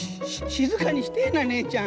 静かにしてえな姉ちゃん。